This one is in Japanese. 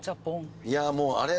いやもうあれはね